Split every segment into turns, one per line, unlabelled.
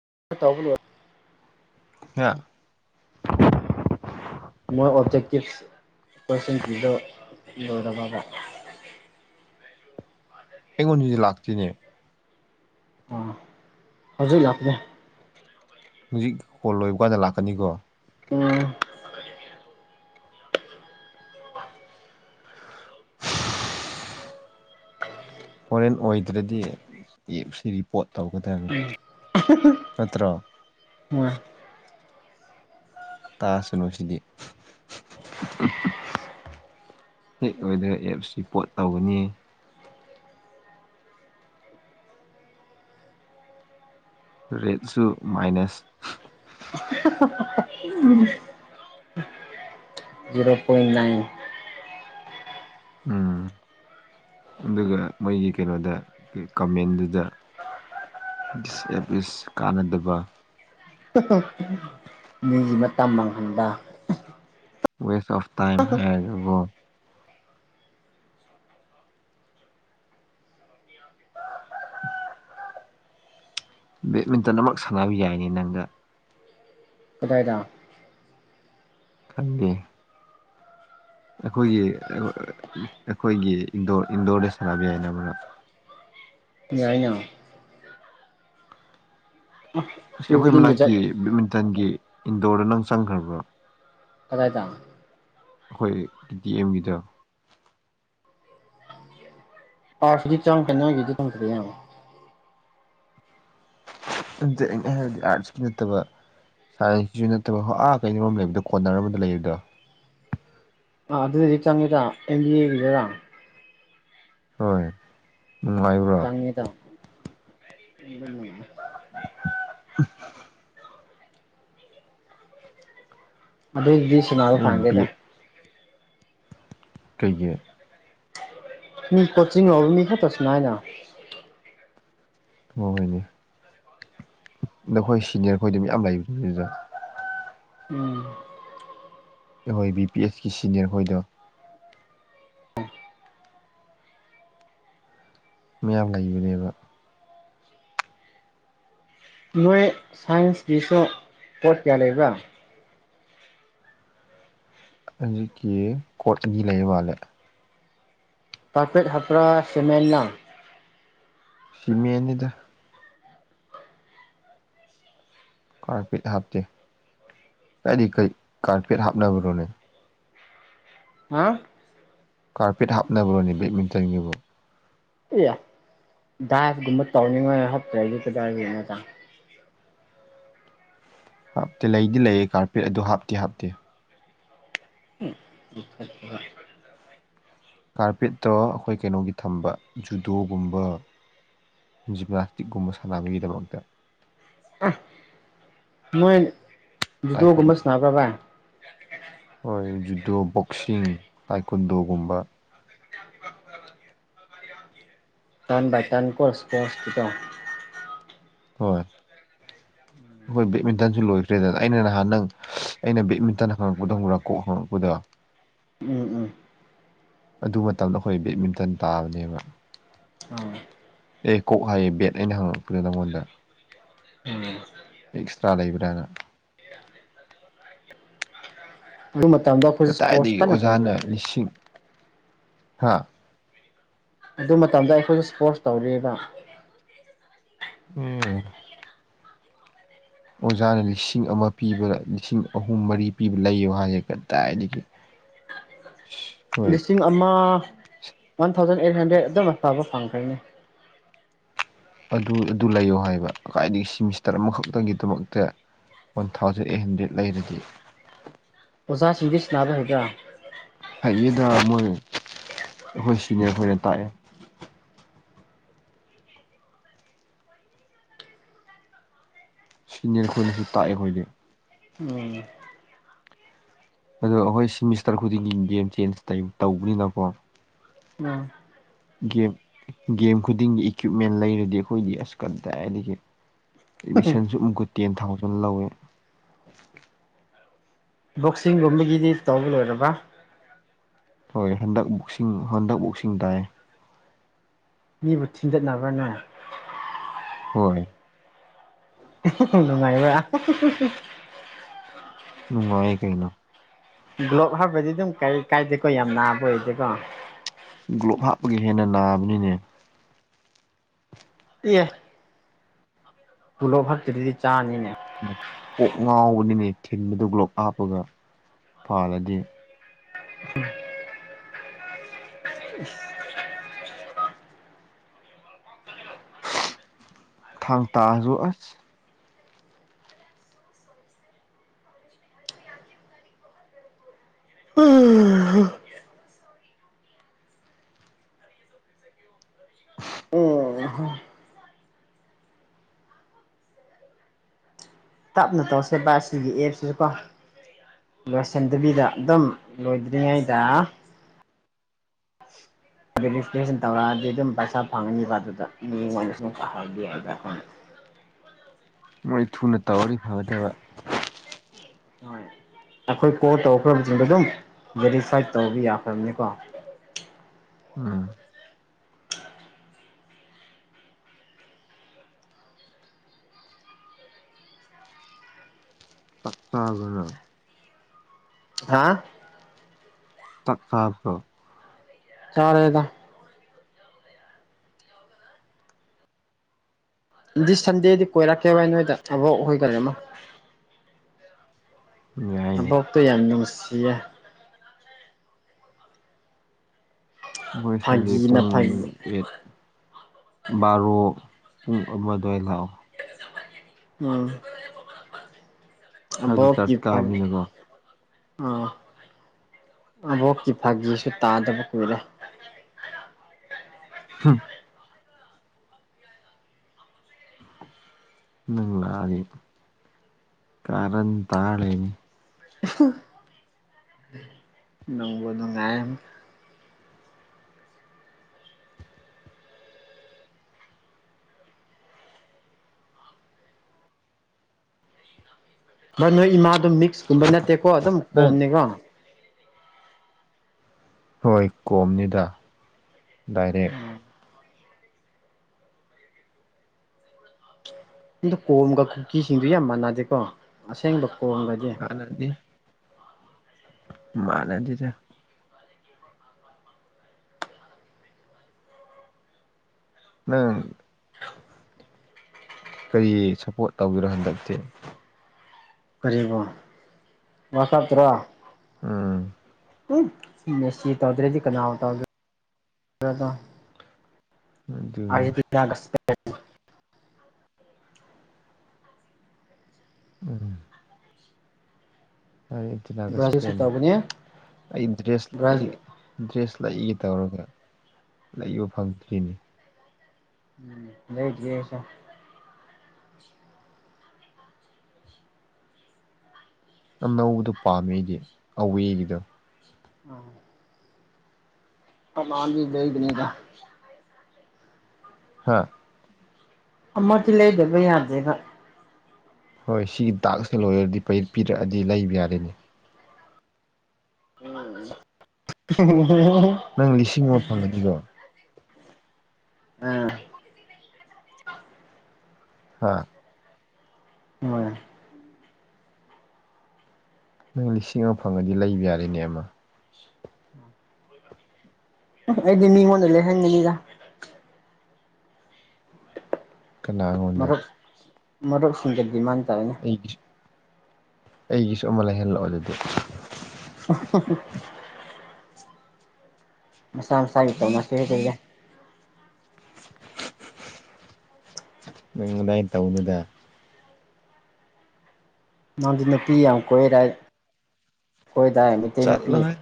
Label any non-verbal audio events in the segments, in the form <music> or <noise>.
<unintelligible>
ꯑ <unintelligible>
ꯃꯣꯏ ꯑꯣꯕꯖꯦꯛꯇꯤꯕ ꯀꯣꯏꯁꯟꯁꯤꯪꯗꯨ ꯂꯣꯏꯇꯥꯕꯥ
ꯑꯩꯉꯣꯟꯗꯗꯤ ꯂꯥꯛꯇꯦꯅꯦ
ꯑ ꯍꯧꯖꯤꯛ ꯂꯥꯛꯄꯅꯦ
ꯍꯧꯖꯤꯛ ꯀꯣꯜ ꯂꯣꯏꯕ ꯀꯥꯟꯗ ꯂꯥꯛꯀꯅꯤꯀꯣ
ꯎꯝ
ꯍꯣꯔꯦꯟ ꯑꯣꯏꯗ꯭ꯔꯗꯤ ꯄꯤ ꯁꯤ ꯔꯤꯄꯣꯠ ꯇꯧꯒꯗꯅꯤ ꯅꯠꯇ꯭ꯔꯣ
ꯃꯥ
ꯇꯥꯁꯅꯨ ꯁꯤꯗꯤ ꯍꯦꯛ ꯑꯣꯏꯗꯕ ꯑꯦꯞꯁꯤ ꯄꯣꯠ ꯇꯧꯒꯅꯤ ꯔꯦꯠꯁꯨ minus
<unintelligible> hero point nine
um ꯑꯗꯨꯒ ꯃꯣꯏꯒꯤ ꯀꯩꯅꯣꯗ ꯀꯃꯦꯟꯗꯨꯗ ꯗꯤꯁꯑꯞ ꯏꯁ ꯀꯥꯟꯅꯗꯕ
ꯃꯤꯒꯤ ꯃꯇꯃ ꯃꯥꯡꯍꯟꯕ
ꯋꯦꯁ <unintelligible> ꯇꯥꯏꯝ ꯍꯥꯏꯔꯦꯟꯀꯣ <inaudible> ꯕꯦꯠꯃꯤꯟꯇꯟ ꯑꯃꯛ ꯁꯥꯟꯅꯕ ꯌꯥꯏꯅꯦ ꯅꯪꯒ
ꯀꯗꯥꯥꯏꯗ
ꯈꯟꯗꯦ ꯑꯩꯈꯣꯏꯒꯤ ꯑꯩꯈꯣꯏꯒꯤ ꯏꯟꯗꯣꯔꯗ ꯁꯥꯟꯅꯕ ꯌꯥꯏꯅ ꯃꯔꯛ
ꯌꯥꯏꯅ
ꯑꯁꯤ ꯑꯩꯈꯣꯏ
ꯏꯚꯤꯅꯤꯡꯗ
ꯃꯅꯥꯛꯀꯤ
ꯆꯠ
ꯕꯦꯠꯃꯤꯟꯇꯟꯒꯤ ꯏꯟꯗꯣꯔꯗ ꯅꯪ ꯆꯪꯈ꯭ꯔꯕꯣ
ꯀꯗꯥꯏꯗ
ꯑꯩꯈꯣꯏ ꯌꯨꯝꯒꯤꯗ
ꯑꯥꯐꯖꯤ ꯆꯣꯈꯔꯦ ꯅꯣꯏꯒꯤꯗꯤ ꯆꯡꯗꯔꯤ
ꯑꯩꯅ ꯍꯥꯏꯔꯗꯤ ꯑꯥꯔꯠꯁꯀꯤ ꯅꯠꯇꯕ ꯁꯥꯏꯟꯁꯀꯤꯁꯨ ꯅꯠꯇꯕ ꯍ ꯑꯥ ꯀꯩꯅꯣ ꯑꯃ ꯂꯩꯕꯗꯣ ꯀꯣꯅꯔ ꯑꯃꯗ ꯂꯩꯔꯤꯗ
ꯑ ꯑꯗꯨꯗꯗꯤ ꯆꯨꯪꯏꯗ ꯑꯏꯝ ꯕꯤ ꯒꯤꯗ
ꯍꯣꯏ ꯅꯨꯡꯉꯥꯏꯕ꯭ꯔꯣ
ꯇꯪꯉꯤꯗ <inaudible>
<inaudible>
ꯈꯣꯏꯗꯤ ꯁꯤꯟꯅꯕ
ꯑꯩ
ꯐꯡꯗꯦꯗ
ꯕꯦꯠ ꯀꯩꯒꯤ
ꯃꯤ ꯀꯣꯆꯤꯡ ꯍꯧꯔꯥ ꯃꯤ ꯈꯛꯇ ꯁꯥꯅꯩꯏꯅ
ꯍꯣ ꯍꯣꯏꯅꯦ ꯅꯈꯣꯏ ꯁꯤꯅꯤꯌꯔ ꯈꯣꯏꯗꯤ ꯃꯌꯥꯝ ꯂꯩꯕꯅꯤ ꯑꯗꯨꯗ
ꯎꯝ
ꯑꯩꯈꯣꯏ ꯕꯤ ꯄꯤ ꯑꯦꯁꯀꯤ ꯁꯤꯅꯤꯌꯔ ꯈꯣꯏꯗꯣ ꯃꯌꯥꯝ ꯂꯩꯕꯅꯦꯕ
ꯅꯣꯏ ꯁꯥꯏꯟꯁꯀꯤꯁꯨ ꯄꯣꯠ ꯀꯌꯥ ꯂꯩꯕꯔꯥ
ꯍꯖꯤꯛꯀꯤ ꯀꯣꯔꯠ ꯑꯅꯤ ꯂꯩꯌ ꯃꯥꯜꯂꯦ
ꯀꯥꯔꯄꯦꯠ ꯍꯥꯞꯄꯔꯥ ꯁꯤꯃꯦꯟ ꯅꯥ
ꯁꯤꯃꯦꯟꯅꯤꯗ ꯀꯥꯔꯄꯦꯠ ꯍꯥꯞꯇꯦ ꯀꯥꯏꯗꯩꯩ ꯀꯩ ꯀꯥꯔꯄꯦꯠ ꯍꯥꯞꯅꯕ꯭ꯔꯣꯅꯦ
ꯍꯥ
ꯀꯥꯔꯄꯦꯠ ꯍꯥꯞꯅꯕꯔꯣꯅꯤ ꯕꯦꯠꯃꯤꯟꯇꯟꯒꯤꯕꯨ
ꯏꯌꯦ ꯗꯥꯒꯨꯝꯕ ꯇꯧꯅꯤꯡꯉꯥꯏ ꯍꯥꯞꯇ꯭ꯔꯗꯤ ꯀꯗꯥꯏꯗꯩꯅꯣꯗ
ꯍꯥꯞꯇꯦ ꯂꯩꯗꯤ ꯂꯩꯌꯦ ꯀꯥꯔꯄꯦꯠ ꯑꯗꯨ ꯍꯥꯞꯇꯤ ꯍꯥꯞꯇꯦ
<inaudible>
ꯀꯥꯔꯄꯦꯠꯇꯣ ꯑꯩꯈꯣꯏ ꯀꯩꯅꯣꯒꯤ ꯊꯝꯕ ꯖꯨꯗꯣꯒꯨꯝꯕ ꯖꯤꯝꯅꯥꯁꯇꯤꯛꯀꯨꯝꯕ ꯁꯥꯟꯅꯕꯒꯤꯗꯃꯛꯇ
ꯑꯥ ꯅꯣꯏ
ꯇꯥꯏꯀꯨꯟ
ꯖꯨꯗꯣꯒꯨꯝꯕ ꯁꯅꯥꯕꯔ ꯕꯥꯢ
ꯍꯣꯏ ꯖꯨꯗꯣ ꯕꯣꯛꯁꯤꯡ ꯇꯥꯏꯀꯨꯟꯗꯣꯒꯨꯝꯕ
ꯇ꯭ꯔꯟ ꯕꯥꯌ ꯇ꯭ꯔꯟ ꯀꯣ ꯏꯁꯄ꯭ꯔꯣꯁꯀꯤꯗꯣ
ꯍꯣꯏ ꯑꯩꯈꯣꯏ ꯕꯦꯠꯃꯤꯟꯇꯟꯁꯨ ꯂꯣꯏꯈ꯭ꯔꯦꯗꯅ ꯑꯩꯅ ꯅꯍꯥꯟ ꯅꯪ ꯑꯩꯅ ꯕꯦꯠꯃꯤꯟꯇꯟ ꯍꯪꯉꯛꯄꯗ ꯑꯃ꯭ꯔꯥ ꯀꯣꯛ ꯍꯪꯉꯛꯄꯗ
ꯎꯝ ꯎꯝ
ꯑꯗꯨ ꯃꯇꯝꯗ ꯑꯩꯈꯣꯏ ꯕꯦꯠꯃꯤꯟꯇꯟ ꯇꯥꯕꯅꯦꯕ
ꯑꯥ
ꯑꯦ ꯀꯣꯛ ꯍꯥꯏꯌꯦ ꯕꯦꯠ ꯑꯩꯅ ꯍꯪꯉꯛꯄꯗꯣ ꯅꯪꯉꯣꯟꯗ
ꯎꯝ
ꯑꯦꯛꯁꯇ꯭ꯔꯥ ꯂꯩꯕ꯭ꯔꯥꯅ
ꯑꯗꯨ ꯃꯇꯝꯗ ꯑꯩꯈꯣꯏꯁꯨ ꯏꯁꯄꯣꯔꯠꯁ ꯀꯟꯅ ꯇꯧꯔꯤꯕꯅꯤ
ꯍꯥꯥ
ꯑꯗꯨ ꯃꯇꯝꯗ ꯑꯩꯈꯣꯏꯁꯨ ꯏꯁꯄꯣꯔꯠꯁ ꯇꯧꯔꯤꯌꯦꯕ
ꯎꯝ ꯑꯣꯖꯥꯅ ꯂꯤꯁꯤꯡ ꯑꯃ ꯄꯤꯕ ꯂꯤꯁꯤꯡ ꯑꯍꯨꯝ ꯃꯔꯤ ꯄꯤꯕ ꯂꯩꯌꯣ ꯍꯥꯏꯌꯦ ꯀꯗꯥꯏꯗꯒꯤ ꯍꯣꯏ
ꯂꯤꯁꯤꯡ ꯑꯃ ꯋꯥꯟ ꯊꯥꯎꯖꯟ ꯑꯩꯠ ꯍꯟꯗ꯭ꯔꯦꯗ ꯑꯗꯨꯝ ꯑꯥꯐꯕ ꯐꯪꯈ꯭ꯔꯅꯤ
ꯑꯗꯨ ꯑꯗꯨ ꯂꯩꯌꯣ ꯍꯥꯏꯕ ꯀꯥꯏꯗꯒꯤ ꯁꯤꯦꯃꯤꯁꯇꯔ ꯑꯃꯈꯛꯇꯒꯤꯗꯃꯛꯇ ꯋꯥꯟ ꯊꯥꯎꯖꯟ ꯑꯩꯠ ꯍꯟꯗ꯭ꯔꯦꯗ ꯂꯩꯔꯗꯤ
ꯑꯣꯖꯥꯥꯁꯤꯡꯗꯤ ꯁꯥꯟꯅꯥꯕ ꯍꯩꯕ ꯭ꯔ
ꯍꯥꯏꯌꯦꯗ ꯃꯣꯏ ꯑꯩꯈꯣꯏ ꯁꯤꯅꯤꯌꯔꯈꯣꯏꯅ ꯇꯥꯛꯑꯦ ꯁꯤꯅꯦꯔ ꯑꯩꯈꯣꯏꯅꯁꯨ ꯇꯥꯛꯑꯦ ꯑꯩꯈꯣꯏꯗꯤ
ꯎꯝ
ꯑꯗꯣ ꯑꯩꯈꯣꯏ ꯁꯤꯃꯤꯁꯇꯔ ꯈꯨꯗꯤꯡꯒꯤ ꯒꯦꯝ ꯆꯦꯟꯖ ꯇꯧꯕꯅꯤꯅꯀꯣ
ꯎꯝ
ꯒꯦꯝ ꯒꯦꯝ ꯈꯨꯗꯤꯡꯒꯤ ꯏꯀ꯭ꯋꯤꯞꯃꯦꯟ ꯂꯩꯔꯗꯤ ꯑꯩꯈꯣꯏꯒꯤ ꯑꯁ ꯀꯗꯥꯏꯗꯒꯤ ꯑꯦꯠꯃꯤꯁꯟꯁꯨ ꯑꯃꯨꯛꯀ ꯇꯦꯟ ꯊꯥꯎꯖꯟ ꯂꯧꯌꯦ
ꯕꯣꯛꯁꯤꯡꯒꯨꯝꯕꯒꯤꯗꯤ ꯇꯧꯕꯥ ꯂꯣꯏꯔꯕ
ꯍꯣꯏ ꯍꯟꯗꯛ ꯕꯨꯛꯁꯤꯡ ꯍꯟꯗꯛ ꯕꯨꯁꯤꯡ ꯇꯥꯏꯌꯦ
ꯃꯤꯕꯨ ꯊꯤꯟꯗꯠꯅꯕ꯭ꯔꯥ ꯅꯣꯏ
ꯍꯣꯏ
ꯅꯨꯡꯉꯥꯏꯕꯔ꯭
ꯅꯨꯡꯉꯥꯏ ꯀꯩꯅꯣ
ꯒ꯭ꯂꯣꯞ ꯍꯞꯈꯔ꯭ꯗꯤ ꯑꯗꯨꯝ ꯀꯩ ꯀꯥꯏꯗꯦꯀꯣ ꯌꯥꯝ ꯅꯥꯕ ꯑꯣꯏꯗꯦꯀꯣ
ꯒ꯭ꯂꯣꯞ ꯍꯥꯞꯄꯒꯤ ꯍꯦꯟꯅ ꯅꯥꯕꯅꯤꯅꯦ
ꯑꯦ ꯄꯨꯂꯣ ꯐꯛꯇꯔꯗꯤ <unintelligible> ꯆꯥꯅꯤꯅꯦ
ꯀꯣꯛ ꯉꯥꯎꯕꯅꯤꯅꯦ ꯊꯤꯟꯕꯗꯨ ꯒ꯭ꯂꯞ ꯍꯥꯞꯄꯒ ꯄꯥꯜꯂꯗꯤ ꯊꯥꯡ ꯇꯥꯖꯨ ꯑꯁ
ꯎꯝ ꯇꯞꯅ ꯇꯧꯁꯦꯕ ꯑꯁꯤꯒꯤ ꯑꯦꯞꯁꯤꯁꯨꯀꯣ ꯂꯣꯏꯁꯟꯗꯕꯤꯗ ꯑꯗꯨꯝ ꯂꯣꯏꯗ꯭ꯔꯤꯉꯩꯗ <unintelligible> ꯦꯇ꯭ꯔꯦꯁꯟ ꯇꯧꯔꯛꯑꯗꯤ ꯑꯗꯨꯝ ꯄꯩꯁꯥ ꯐꯪꯉꯅꯤꯕ ꯑꯗꯨꯗ ꯃꯤ ꯑꯣꯏꯅ ꯁ ꯍꯥꯏꯗ <unintelligible> ꯑꯩꯈꯣꯏꯅ
ꯃꯣꯏ ꯊꯨꯅ ꯇꯧꯔꯗꯤ ꯐꯒꯥꯗꯕ
ꯍꯣꯏ ꯑꯩꯈꯣꯏ ꯀꯣꯜ ꯇꯧꯈ꯭ꯔꯕꯁꯤꯡꯗꯣ ꯑꯗꯨꯝ ꯚꯦꯔꯤꯐꯥꯏꯠ ꯇꯧꯕ ꯌꯥꯈ꯭ꯔꯕꯅꯤꯀꯣ
ꯎꯝ ꯆꯥꯛꯇꯥꯕꯅ <unintelligible>
ꯍꯥ
ꯇꯥꯛꯀꯥꯗꯣ
ꯆꯥꯔꯦꯗꯥ ꯗꯤꯁ ꯁꯟꯗꯦꯗꯤ ꯀꯣꯏꯔꯥꯛꯀꯦ ꯕꯥꯏ ꯅꯣꯏꯗ ꯑꯕꯣꯛ ꯍꯣꯏ <unintelligible>
ꯌꯥꯏꯌꯦ
ꯑꯕꯣꯛꯇꯣ ꯌꯥꯝ ꯅꯨꯪꯁ ꯁꯤꯌꯥ
ꯍꯣꯏ ꯁꯟꯗꯦ
ꯐꯥꯒꯤꯅ
ꯄꯨꯡ
ꯐꯥꯒꯤ
ꯑꯦꯠ ꯕꯥꯔꯣ ꯄꯨꯡ ꯑꯃ ꯑꯗꯨꯋꯥꯏ ꯂꯥꯛꯑꯣ
ꯎꯝ
ꯍꯥꯏꯗꯤ
ꯑꯕꯣꯛꯀꯤ
ꯆꯔꯆ
ꯐꯒꯤ
ꯀꯥꯕꯅꯤꯅꯀꯣ
ꯑꯥ ꯑꯕꯣꯛꯀꯤ ꯐꯥꯒꯤꯁꯨ ꯇꯥꯗꯕ ꯀꯨꯏꯔꯦ
ꯍꯝ ꯅꯪ ꯂꯥꯛ ꯑꯗꯤ ꯀꯔꯟ ꯇꯥꯔ ꯂꯩꯔꯥꯅꯤ
<inaudible> ꯅꯨꯡꯕꯨ ꯅꯨꯡꯉꯥꯏ ꯕꯥꯏ ꯅꯣꯏ ꯏꯃꯥꯗꯣ ꯃꯤ ꯀꯨꯝꯕ ꯅꯠꯇꯦꯀꯣ ꯑꯗꯨꯝ
ꯅꯪ
ꯀꯣꯝꯅꯤꯀꯣ
ꯍꯣꯏ ꯀꯣꯝꯅꯤꯗ ꯗꯥꯏꯔꯦꯛ
ꯑꯗꯣ ꯀꯣꯝꯒ ꯀꯨꯀꯤꯁꯤꯡꯗꯨ ꯌꯥꯝ ꯃꯥꯟꯅꯗꯦꯀꯣ ꯑꯁꯦꯡꯕ ꯀꯣꯝꯒꯗꯤ
ꯍꯥꯟꯅꯥꯗꯤ ꯃꯥꯅꯗꯦꯗ ꯅꯪ ꯀꯔꯤ ꯁꯞꯄꯣꯔꯠ ꯇꯧꯕꯤꯔꯣ ꯍꯟꯗꯛꯇꯤ
ꯀꯔꯤꯕꯣ ꯋꯔꯜꯀꯞꯇ꯭ꯔꯣ
ꯎꯝ
ꯎꯝ ꯃꯦꯁꯤ ꯇꯧꯗ꯭ꯔꯗꯤ ꯀꯅꯥꯕꯨ ꯇꯧ ꯗ꯭ꯔꯦ ꯑꯥꯏ
ꯑꯗꯨꯅꯤ
<unintelligible> ꯍꯦ
ꯑꯝ
ꯕ꯭ꯔꯥꯖꯤꯜꯁꯨ
ꯑꯦꯟꯇꯤꯅꯥꯒꯁꯄꯦꯟ
ꯇꯧꯒꯅꯤ
ꯑꯩ ꯗ꯭ꯔꯦꯁ ꯑꯩ
ꯕ꯭ꯔꯥꯖꯤꯜ
ꯗ꯭ꯔꯦꯁ ꯂꯩꯒꯦ ꯇꯧꯔꯒ ꯂꯩꯕ ꯐꯪꯗ꯭ꯔꯤꯅꯤ
ꯎꯝ ꯂꯩꯇꯦꯁꯦ
ꯑꯅꯧꯕꯗꯣ ꯄꯥꯝꯃꯦ ꯑꯩꯗꯤ ꯑꯋꯦꯒꯤꯗꯣ
ꯑꯝ ꯑꯃꯥꯡ ꯑꯅꯤ ꯂꯩꯕꯅꯤꯗ
ꯍꯥ
ꯑꯃ ꯗꯤ ꯂꯩꯗꯕ ꯌꯥꯗ꯭ꯔꯦꯕ
ꯍꯣꯏ ꯁꯤꯒꯤ ꯇꯥꯛꯁ ꯁꯤ ꯂꯣꯏꯒ꯭ꯔꯗꯤ ꯐꯩ ꯄꯤꯔꯛꯑꯗꯤ ꯂꯩꯕ ꯌꯥꯔꯤꯅꯤ
ꯎꯝ
ꯅꯪ
ꯑꯍꯤꯍꯤ
ꯂꯤꯁꯤꯡ ꯑꯃ ꯐꯪꯒꯅꯤꯀꯣ
ꯍꯦꯍꯦꯍꯦ ꯑꯝ
ꯍꯥ
ꯑꯝ
ꯅꯪ ꯂꯤꯁꯤꯡ ꯑꯃ ꯐꯪꯉꯗꯤ ꯂꯩꯕ ꯌꯥꯔꯦꯅꯦ ꯑꯃ
ꯑꯝ ꯑ ꯑꯩꯗꯤ ꯃꯤꯉꯧꯟꯗ ꯂꯩ ꯍꯟꯒꯅꯤꯗ ꯎꯝ
ꯀꯅꯥ ꯉꯣꯟꯗ
ꯃꯔꯨꯞꯁꯤꯡ ꯒ ꯗꯤꯃꯥꯟ ꯇꯧꯋꯤꯅꯦ
ꯑꯩꯒꯤꯁꯨ ꯑꯩꯒꯤꯁꯨ ꯑꯃ ꯂꯩꯍꯜꯂꯛꯑꯣ ꯑꯗꯨꯗꯤ
ꯑꯍꯍꯍ ꯃꯁꯥ ꯃꯁꯥꯕꯤ ꯇꯧ ꯅꯁꯦ ꯂꯩꯔꯦ
ꯅꯪ ꯑꯗꯥꯏ ꯇꯧꯅꯨꯗ
ꯅꯪꯗꯤ ꯅꯨꯄꯤ ꯌꯥꯝ ꯀꯣꯏꯔꯦ ꯍꯥꯏ ꯀꯣꯏꯗꯥꯏ ꯃꯩꯇꯩ ꯅꯨꯄꯤ
ꯆꯠꯂꯣꯍꯦ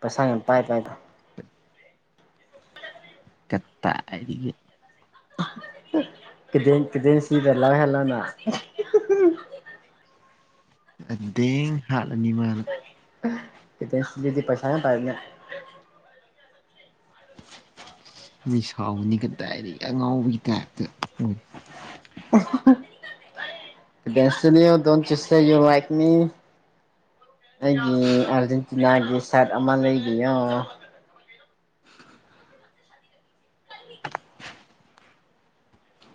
ꯄꯩꯁꯥ ꯌꯥꯝ ꯄꯥꯏ ꯄꯥꯏꯕ
ꯀꯠꯗꯥꯏꯗꯒꯤ
ꯀꯗꯦꯟ ꯀꯗꯦꯟ ꯁꯤꯗꯂ ꯍꯂꯥꯅ
ꯑꯗꯦꯡꯊꯥ ꯑꯅꯤꯃꯥꯅ
ꯀꯗꯦꯟ ꯁꯤꯗꯤ ꯄꯩꯁꯥ ꯌꯥꯝ ꯄꯥꯏꯅ
ꯃꯤ ꯁꯥꯎꯒꯅꯤ ꯀꯗꯥꯏꯗꯒꯤ ꯑꯉꯥꯎꯕꯒꯤ ꯇꯥꯏꯞꯇ ꯎ
ꯑꯍ ꯍ ꯀꯗꯦꯟꯁꯅꯤꯌꯣ don't you say you like me ꯑꯩꯒꯤ ꯑꯥꯔꯖꯦꯟꯇꯤꯅꯥꯒꯤ ꯁꯥꯔꯠ ꯑꯃ ꯂꯩꯕꯤꯌꯣ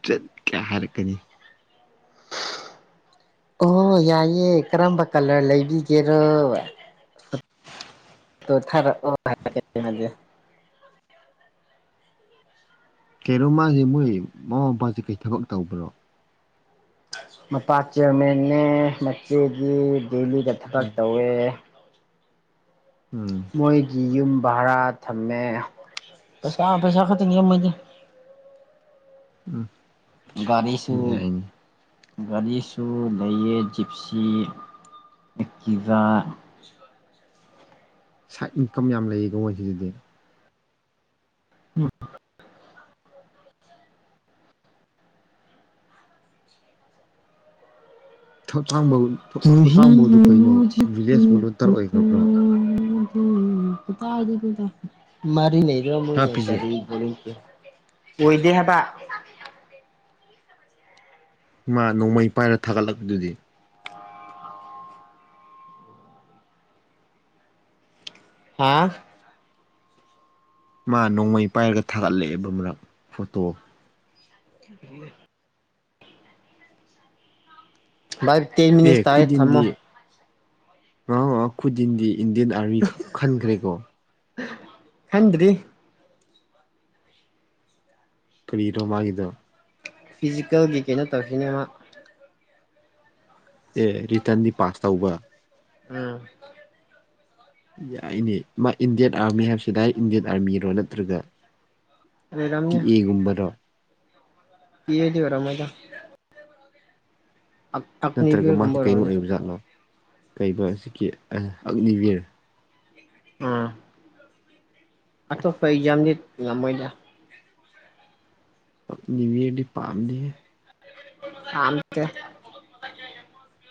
ꯆꯠ ꯀꯥꯏ ꯍꯥꯏꯔꯛꯀꯅꯤ
ꯑꯣ ꯌꯥꯏꯌꯦ ꯀꯔꯝꯕ ꯀꯂꯔ ꯂꯩꯕꯤꯒꯦꯔꯣ ꯇꯣ ꯊꯥꯔꯛꯑꯣ ꯍꯥꯏ <unintelligible> ꯑꯟꯏꯟꯇꯦꯜꯂꯤꯖꯤꯕꯜ
ꯀꯦꯔꯣ ꯃꯥꯒꯤ ꯃꯣꯏ ꯃꯃꯥ ꯃꯄꯥꯁꯤ ꯀꯩ ꯊꯕꯛ ꯇꯧꯕ꯭ꯔꯣ
ꯃꯄꯥꯥ ꯆꯦꯔꯃꯦꯟꯅꯦ ꯃꯆꯦꯒꯤ ꯗꯦꯜꯂꯤꯗ ꯊꯕꯛ
ꯎꯝ
ꯇꯧꯋꯦ
ꯎꯝ
ꯃꯣꯏꯒꯤ ꯌꯨꯝ ꯚꯔꯥ- ꯊꯝꯃꯦ ꯑꯁ ꯀꯅꯥꯅ ꯄꯩꯁꯥ ꯈꯔ ꯇꯤꯡꯖꯅꯤ ꯃꯣꯏꯗꯤ
ꯎꯝ-
ꯒꯥꯔꯤꯁꯨ-
ꯌꯥꯏꯅꯤ
ꯒꯥꯔꯤꯁꯨ ꯂꯩꯑꯦ ꯖꯤꯞꯁꯤ ꯑꯦꯛꯇꯤꯕꯥ
ꯁꯥꯏꯠ ꯏꯟꯀꯝ ꯌꯥꯝ ꯂꯩꯌꯦꯀꯣ ꯃꯣꯏꯁꯤꯗꯗꯤ-
<unintelligible>
<unintelligible>
ꯇꯨꯝ ꯍꯤ <unintelligible>
ꯊꯣꯆꯥꯡꯕꯧꯗꯣ ꯀꯩꯅꯣ
ꯃꯨꯖꯀꯣ
ꯚꯤꯂꯦꯖ ꯚꯣꯂꯨꯟꯇꯔ ꯑꯣꯏꯈ꯭ꯔꯕ꯭ꯔꯣ
ꯕꯇꯥꯗꯣ ꯎꯝ ꯄꯗ ꯑꯗꯨꯗꯨꯗ ꯃꯔꯤ ꯂꯩ ꯏꯌꯥꯝꯕꯍꯣꯏꯅ
ꯍꯥꯞꯄꯤꯁꯦ
ꯀꯔꯤ ꯀꯔꯤ ꯑꯣꯏꯗꯦ ꯍꯥꯏꯕ
ꯃꯥ ꯅꯣꯡꯃꯩ ꯄꯥꯏꯔ ꯊꯥꯒꯠꯂꯛꯄꯗꯨꯗꯤ
ꯍꯥ
ꯃꯥ ꯅꯣꯡꯃꯩ ꯄꯥꯏꯔꯒ ꯊꯥꯒꯠꯂꯛꯑꯦꯕ ꯃꯔꯛ ꯐꯣꯇꯣ-
<unintelligible> ꯥꯚꯥꯏ ꯇꯦꯟ ꯃꯤꯅꯤꯁ ꯇꯥꯏꯌꯦ ꯊꯝꯃꯣ
ꯑꯥꯎ ꯑꯥꯎ ꯈꯨꯗꯤꯟꯗꯤ ꯏꯟꯗꯤꯌꯥꯟ ꯑꯥꯔꯃꯤ ꯈꯟ ꯈꯟꯈ꯭ꯔꯦꯀꯣ
ꯈꯟꯗ꯭ꯔꯤ
ꯀ꯭ꯔꯤ ꯅꯣ ꯃꯥꯒꯤꯗꯣ
ꯐꯤꯖꯤꯀꯦꯜꯒꯤ ꯀꯩꯅꯣ ꯇꯧꯈꯤꯅꯤ ꯃꯥ
ꯑꯦ ꯀ꯭ꯔꯤꯇꯟꯗꯤ ꯄꯥꯁ ꯇꯧꯕ
ꯎꯝ
ꯌꯥꯏꯅꯦ ꯃꯥ ꯏꯟꯗꯤꯌꯥꯟ ꯑꯥꯔꯃꯤ ꯍꯥꯏꯕꯁꯦ ꯗꯥꯏꯔꯦꯛ ꯏꯟꯗꯤꯌꯥꯟ ꯑꯥꯔꯃꯤꯔꯣ ꯅꯠꯇ꯭ꯔꯒ ꯇꯤ
ꯑꯣꯏꯔꯝꯅꯤ
ꯑꯦ ꯒꯨꯝꯕꯔꯣ
ꯇꯤ ꯑꯦ ꯗꯤ ꯑꯣꯏꯔꯝꯃꯣꯏꯗꯥ
ꯅꯠꯇ꯭ꯔꯒ ꯃꯥꯒꯤ ꯀꯩꯅꯣ
ꯑꯣꯏꯔꯝꯅꯤ
ꯑꯣꯏꯕ ꯖꯥꯠꯂꯣ ꯀꯩꯕ ꯍꯧꯖꯤꯛꯀꯤ ꯑꯛꯅꯤꯕꯤꯔ
ꯎꯝ ꯑꯇꯣꯞꯄ ꯑꯦꯛꯖꯥꯝꯗꯤ ꯉꯝꯃꯣꯏꯗ
ꯅ꯭ꯌꯨꯌꯔꯗꯤ ꯄꯥꯝꯗꯦꯍꯦ
ꯂꯧꯁꯤꯟꯕ ꯉꯝꯗꯕ